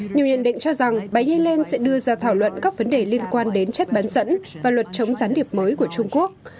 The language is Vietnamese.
nhiều nhận định cho rằng bà y lên sẽ đưa ra thảo luận các vấn đề liên quan đến chất bán dẫn và luật chống gián điệp mới của trung quốc